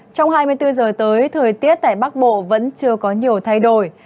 trong hai mươi bốn giờ tới thời tiết tại bắc bộ vẫn chưa có nhiều thay đổi